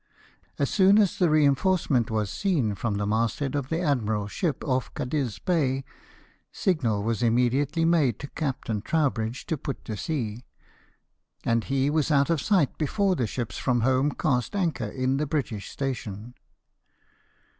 As soon as the re inforcement was seen from the masthead of the admiral's ship, off Cadiz Bay, signal was immediately made to Captam Trowbridge to put to sea; and he was out of sight before the ships from home cast anchor in the British station.